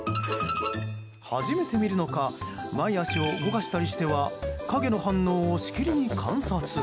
初めて見るのか前足を動かしたりしては影の反応をしきりに観察。